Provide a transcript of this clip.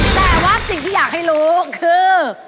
แต่ว่าสิ่งที่อยากให้รู้คือ